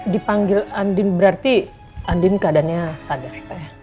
dipanggil andin berarti andin keadanya sadar ya pak ya